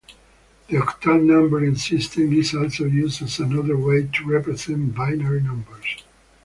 The octal numbering system is also used as another way to represent binary numbers.